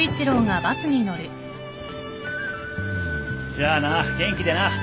じゃあな元気でななる。